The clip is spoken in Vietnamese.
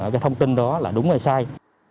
cái thông tin đó là đúng hay sai